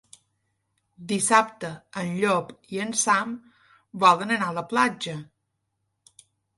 Dissabte en Llop i en Sam volen anar a la platja.